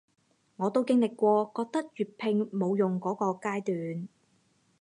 我都經歷過覺得粵拼冇用箇個階段